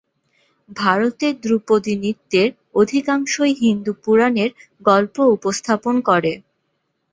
ভারতের ধ্রুপদী নৃত্যের অধিকাংশই হিন্দু পুরাণের গল্প উপস্থাপন করে।